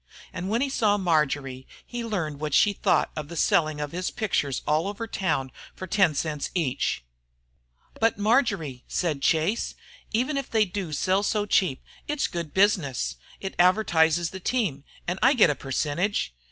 And when he saw Marjory he learned what she thought of the selling of his pictures all over town for ten cents each. "But, Marjory," said Chase, "even if they do sell so cheap it's good business. It advertises the team, and I get a percentage."